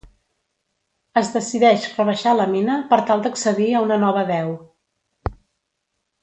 Es decideix rebaixar la mina per tal d'accedir a una nova deu.